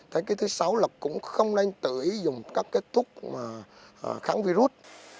thế cái thứ sáu là cũng không nên tự ý dùng các cái thuốc kháng virus